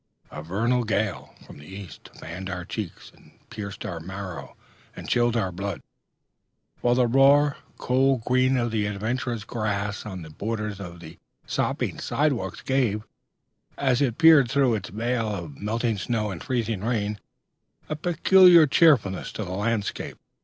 A vernal gale from the east fanned our cheeks and pierced our marrow and chilled our blood, while the raw, cold green of the adventurous grass on the borders of the sopping side walks gave, as it peered through its veil of melting snow and freezing rain, a peculiar cheerfulness to the landscape.